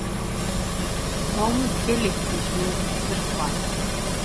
Tom gelekî ji min pirtir xwar.